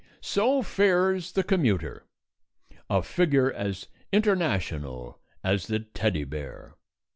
So fares the commuter: a figure as international as the teddy bear.